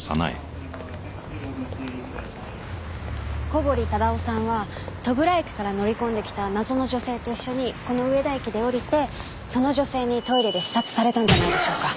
小堀忠夫さんは戸倉駅から乗り込んできた謎の女性と一緒にこの上田駅で降りてその女性にトイレで刺殺されたんじゃないでしょうか？